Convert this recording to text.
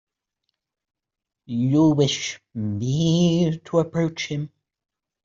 You wish me to approach him?